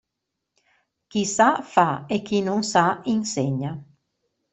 Chi sa fa e chi non sa insegna.